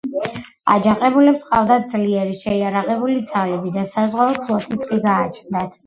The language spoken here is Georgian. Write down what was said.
აჯანყებულებს ჰყავდათ ძლიერი შეიარაღებული ძალები და საზღვაო ფლოტიც კი გააჩნდათ.